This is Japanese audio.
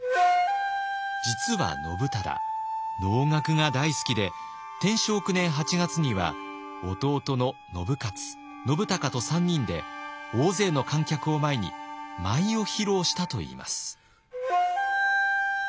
実は信忠能楽が大好きで天正９年８月には弟の信雄信孝と３人で大勢の観客を前に舞を披露したといいます。